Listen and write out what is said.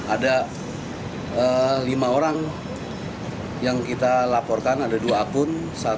ada lima orang yang kita laporkan ada dua akun